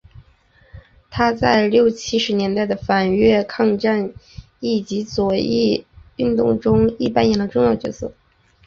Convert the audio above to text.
他在六七十年代的反越战抗议及左翼运动中亦扮演了重要角色。